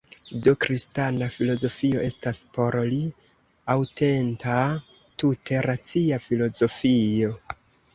Do kristana filozofio estas, por li, aŭtenta tute racia filozofio.